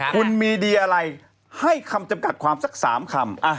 คุณมีดีอะไรให้คำจำกัดความสัก๓คำ